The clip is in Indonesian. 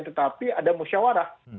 tetapi ada musyawarah